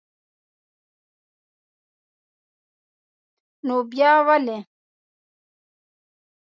نو با ولي?